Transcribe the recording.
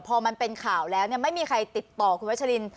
พอมันเป็นข่าวแล้วเนี่ยไม่มีใครติดต่อคุณวัชลิน